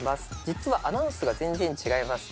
実はアナウンスが全然違います